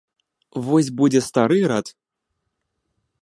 Вось будзе стары рад.